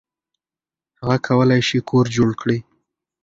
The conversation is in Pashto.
هغه کولی شي کور جوړ کړي.